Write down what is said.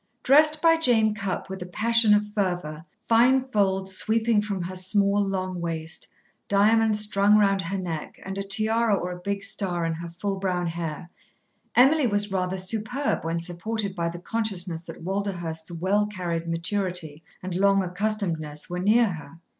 Dressed by Jane Cupp with a passion of fervour, fine folds sweeping from her small, long waist, diamonds strung round her neck, and a tiara or a big star in her full brown hair, Emily was rather superb when supported by the consciousness that Walderhurst's well carried maturity and long accustomedness were near her.